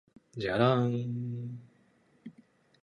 じゃらんーーーーー